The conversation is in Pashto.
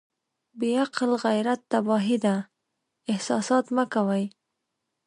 بې عقل غيرت تباهي ده احساسات مه کوئ.